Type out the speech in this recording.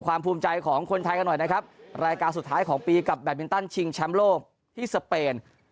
ภูมิใจของคนไทยกันหน่อยนะครับรายการสุดท้ายของปีกับแบตมินตันชิงแชมป์โลกที่สเปน